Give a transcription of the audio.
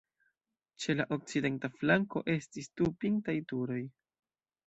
Ĉe la okcidenta flanko estis du pintaj turoj.